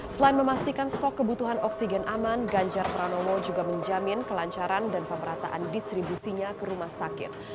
selain memastikan stok kebutuhan oksigen aman ganjar pranowo juga menjamin kelancaran dan pemerataan distribusinya ke rumah sakit